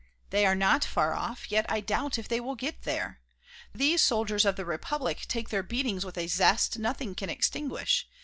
They are not far off; yet I doubt if they will get there. These soldiers of the Republic take their beatings with a zest nothing can extinguish.